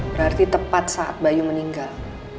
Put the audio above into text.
berarti tepat saat bayu meninggal